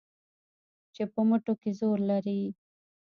چې په مټو کې زور لري